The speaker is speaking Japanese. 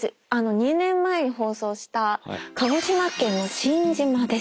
２年前に放送した鹿児島県の新島です。